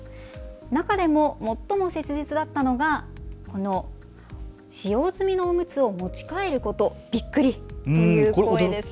中でも最も切実だったのが、この使用済みのおむつを持ち帰ることびっくりという声です。